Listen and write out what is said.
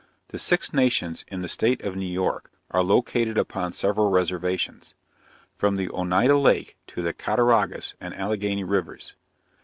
The Six Nations in the state of New York are located upon several reservations, from the Oneida Lake to the Cattaraugus and Allegany rivers.